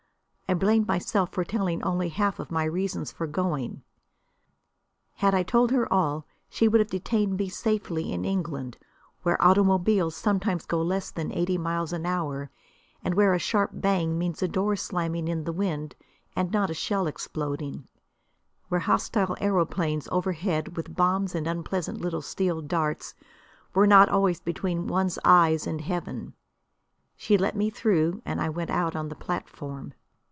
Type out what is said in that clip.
I blamed myself for telling only half of my reasons for going. Had I told her all she would have detained me safely in England, where automobiles sometimes go less than eighty miles an hour, and where a sharp bang means a door slamming in the wind and not a shell exploding, where hostile aeroplanes overhead with bombs and unpleasant little steel darts, were not always between one's eyes and heaven. She let me through, and I went out on the platform.